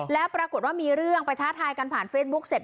แล้วปรากฏว่ามีเรื่องไปท้าทายกันผ่านเฟซบุ๊คเสร็จ